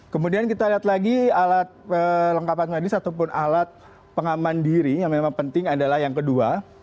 kemudian kita lihat lagi alat lengkapan medis ataupun alat pengaman diri yang memang penting adalah yang kedua